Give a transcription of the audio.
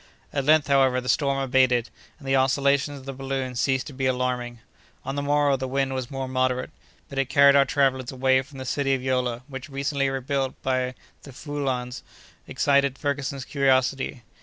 At length, however, the storm abated, and the oscillations of the balloon ceased to be alarming. On the morrow the wind was more moderate, but it carried our travellers away from the city of Yola, which recently rebuilt by the Fouillans, excited Ferguson's curiosity.